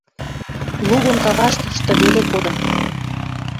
лу дон каваштышты веле кодын.